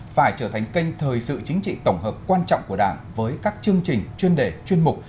phải trở thành kênh thời sự chính trị tổng hợp quan trọng của đảng với các chương trình chuyên đề chuyên mục